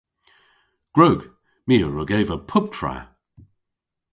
Gwrug. My a wrug eva puptra.